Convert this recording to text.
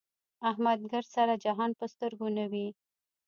احمد ګردسره جهان په سترګو نه وي.